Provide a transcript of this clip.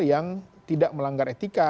yang tidak melanggar etika